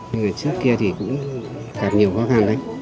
nhưng trước kia thì cũng gặp nhiều khó khăn đấy